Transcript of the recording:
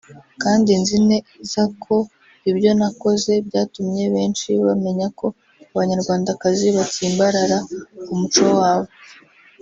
kandi nzi neza ko ibyo nakoze byatumye benshi bamenya ko abanyarwandakazi batsimbarara ku muco wabo